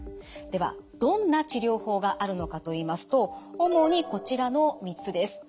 ではどんな治療法があるのかといいますと主にこちらの３つです。